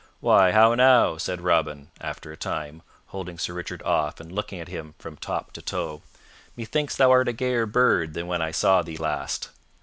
"Why, how now," said Robin, after a time, holding Sir Richard off and looking at him from top to toe, "methinks thou art a gayer bird than when I saw thee last."